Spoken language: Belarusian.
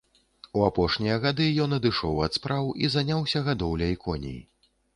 У апошнія гады ён адышоў ад спраў і заняўся гадоўляй коней.